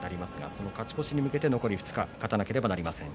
その勝ち越しに向けて残り２日勝たなければなりません。